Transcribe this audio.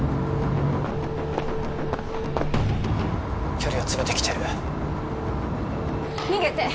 距離を詰めてきてる逃げて！